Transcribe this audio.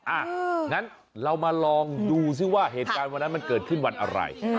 อ่ะงั้นเรามาลองดูซิว่าเหตุการณ์วันนั้นมันเกิดขึ้นวันอะไร